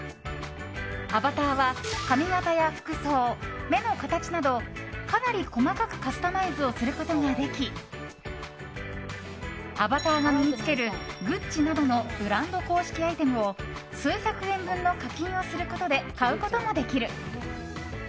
アバターは髪形や服装目の形などかなり細かくカスタマイズをすることができアバターが身に着けるＧＵＣＣＩなどのブランド公式アイテムを数百円分の課金をすることで買うこともできる。